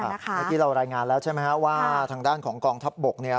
เมื่อกี้เรารายงานแล้วใช่ไหมครับว่าทางด้านของกองทัพบกเนี่ย